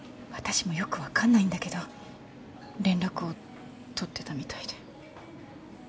私もよくわかんないんだけど連絡を取ってたみたいで。